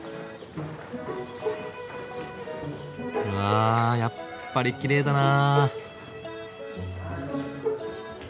あやっぱりきれいだな。